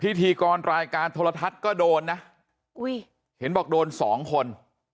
พิธีกรรายการโทรทัศน์ก็โดนนะอุ้ยเห็นบอกโดนสองคน